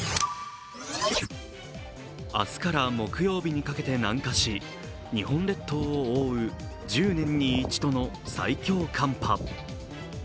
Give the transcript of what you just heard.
明日から木曜日にきけて南下し日本列島を覆う１０年に一度の最強寒波。